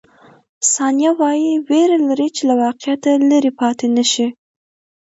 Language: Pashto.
ثانیه وايي، وېره لري چې له واقعیت لیرې پاتې نه شي.